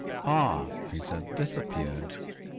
"Ah," he said. "Disappeared.